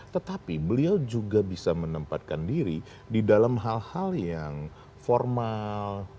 tetapi beliau juga bisa menempatkan diri di dalam hal hal yang formal